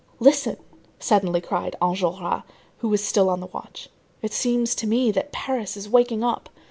"Listen," suddenly cried Enjolras, who was still on the watch, "it seems to me that Paris is waking up."